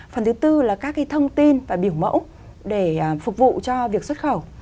phần thứ tư là các thông tin và biểu mẫu để phục vụ cho việc xuất khẩu